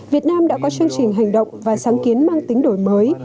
việt nam đã có chương trình hành động và sáng kiến mang tính đổi mới